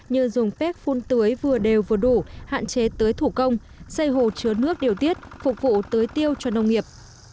như dùng bếp phun tưới vừa đều vừa đủ hạn chế tưới thủ công xây hồ chứa nước điều tiết phục vụ tưới tiêu cho nông nghiệp